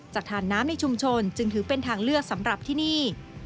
ฐานน้ำในชุมชนจึงถือเป็นทางเลือกสำหรับที่นี่